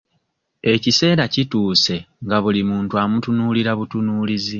Ekiseera kituuse nga buli muntu amutunuulira butunuulizi.